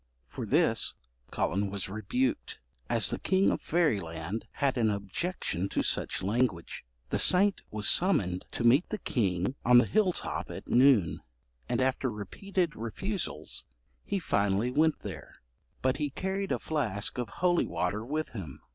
For this Collen was rebuked, as the king of fairyland had an objection to such language. The saint was summoned to meet the king on the hill top at noon, and after repeated refusals, he finally went there; but he carried a flask of holy water with him.